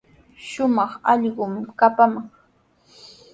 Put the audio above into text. Shumaq allquumi kapaman.